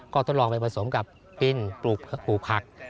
ก็ทดลองไปผสมกับปินปลูกผัก